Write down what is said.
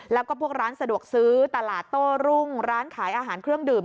แล้วก็พวกร้านสะดวกซื้อตลาดโต้รุ่งร้านขายอาหารเครื่องดื่ม